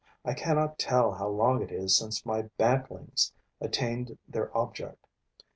I cannot tell how long it is since my bantlings attained their object.